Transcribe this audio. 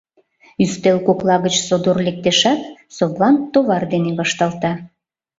Ӱстел кокла гыч содор лектешат, совлам товар дене вашталта.